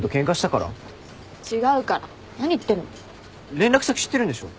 連絡先知ってるんでしょ。